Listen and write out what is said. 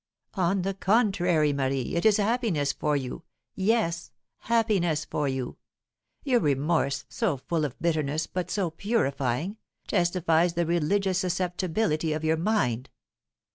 "On the contrary, Marie, it is happiness for you, yes, happiness for you. Your remorse, so full of bitterness, but so purifying, testifies the religious susceptibility of your mind.